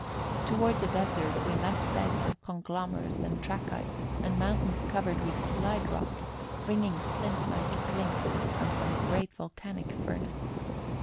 Toward the desert, we met beds of conglomerate and trachyte, and mountains covered with slide rock, ringing flint like clinkers from some great volcanic furnace.